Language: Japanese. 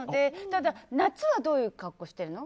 ただ、夏はどういう格好してるの？